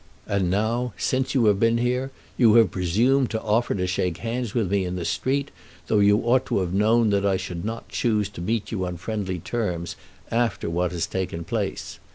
And now, since you have been here, you have presumed to offer to shake hands with me in the street, though you ought to have known that I should not choose to meet you on friendly terms after what has taken place.